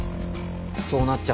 そうなっちゃう。